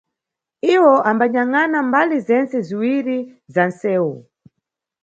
Iwo ambanyangʼana mbali zentse ziwiyi za nʼsewu.